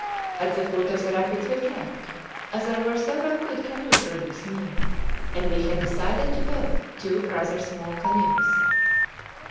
At the foot of the rapids we camped, as there were several good canoe trees near, and we had decided to build two rather small canoes.